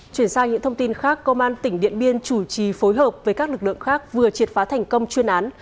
chuyển sang những thông tin khác công an tỉnh điện biên chủ trì phối hợp với các lực lượng khác vừa triệt phá thành công chuyên án